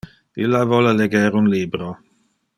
Illa vole leger un libro.